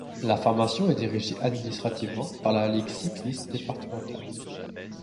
La formation est dirigée administrativement par la Ligue cycliste départementale.